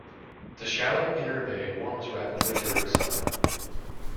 The shallow inner bay warms rapidly during summer.